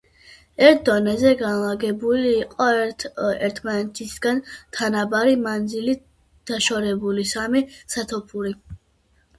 ერთ დონეზე, განლაგებული იყო ერთმანეთისგან თანაბარი მანძილით დაშორებული სამი სათოფური.